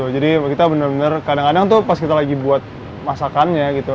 jadi kita benar benar kadang kadang tuh pas kita lagi buat masakannya gitu